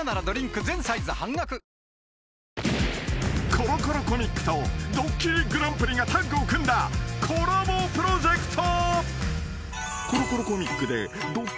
［『コロコロコミック』と『ドッキリＧＰ』がタッグを組んだコラボプロジェクト］